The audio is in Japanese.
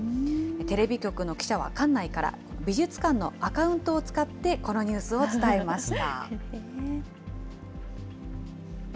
テレビ局の記者は館内から、美術館のアカウントを使って、このニュースを伝えました。